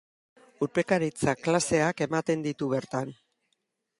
Urpekaritza klaseak ematen ditu bertan.